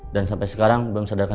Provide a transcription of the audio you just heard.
dan sampai sekarang belum sadarkan